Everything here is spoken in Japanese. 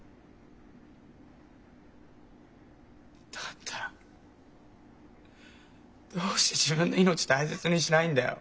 だったらどうして自分の命大切にしないんだよ。